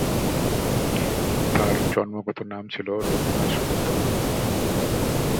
তার জন্মগত নাম ছিল রমা দাশগুপ্ত।